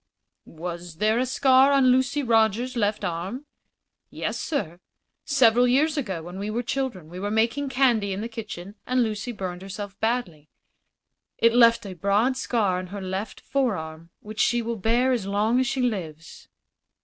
"Was there a scar on Lucy Rogers's left arm?" "Yes, sir. Several years ago, when we were children, we were making candy in the kitchen and Lucy burned herself badly. It left a broad scar on her left forearm, which she will bear as long as she lives."